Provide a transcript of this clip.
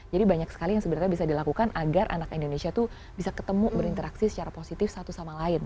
jadi banyak sekali yang sebenarnya bisa dilakukan agar anak indonesia itu bisa ketemu berinteraksi secara positif satu sama lain